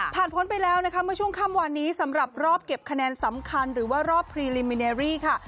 พ้นไปแล้วนะคะเมื่อช่วงค่ำวานนี้สำหรับรอบเก็บคะแนนสำคัญหรือว่ารอบพรีลิมมิเนรี่ค่ะ